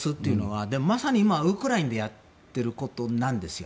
今まさにウクライナでやっていることになるんですよ。